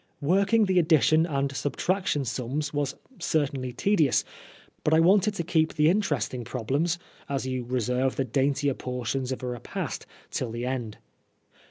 Working the addition and subtraction sums was certainly tedious, but I wanted to keep the interesting problems, as you reserve the daintier portions of a repast, till the end.